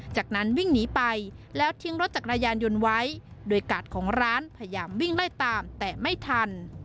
จากนั้นวิ่งหนีไปแล้วทิ้งรถจักรยานยนต์ไว้โดยกาดของร้านพยายามวิ่งไล่ตามแต่ไม่ทัน